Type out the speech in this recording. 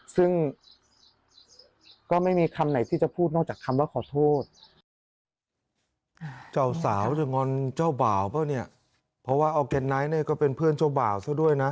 ซึ่งก็ไม่มีคำไหนที่จะพูดนอกจากคำว่าขอโทษ